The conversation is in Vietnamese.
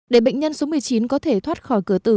để bệnh nhân số một mươi chín có thể thoát khỏi cửa tử